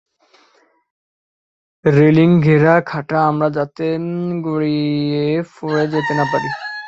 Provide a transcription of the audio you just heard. রেলিংঘেরা খাটা আমরা যাতে গড়িয়ে পড়ে যেতে না পারি।